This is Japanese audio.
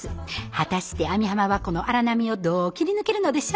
果たして網浜はこの荒波をどう切り抜けるのでしょうか？